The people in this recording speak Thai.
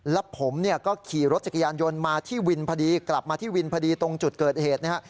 แล้วผมเนี่ยก็ขี่รถจักรยานยนต์มาที่วินพอดีกลับมาที่วินพอดีตรงจุดเกิดเหตุนะฮะ